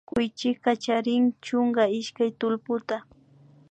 Kuychika chrin chunka ishkay tullputa